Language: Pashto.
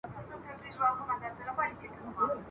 تر بل ډنډ پوري مي ځان سوای رسولای ..